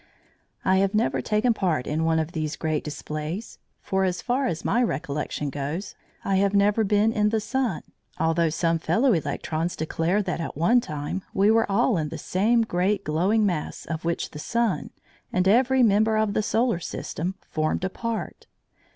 I have never taken part in one of these great displays, for, as far as my recollection goes, I have never been in the sun, although some fellow electrons declare that at one time we were all in the same great glowing mass of which the sun, and every member of the solar system, formed a part.